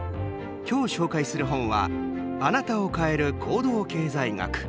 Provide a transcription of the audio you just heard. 今日、紹介する本は「あなたを変える行動経済学」。